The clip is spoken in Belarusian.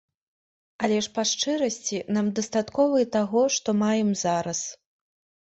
Але ж па шчырасці нам дастаткова і таго, што маем зараз.